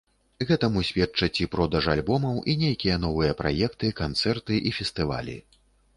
Гэтаму сведчаць і продаж альбомаў, і нейкія новыя праекты, канцэрты і фестывалі.